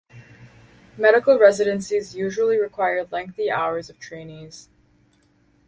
Medical residencies usually require lengthy hours of trainees.